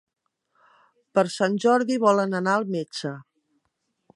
Per Sant Jordi volen anar al metge.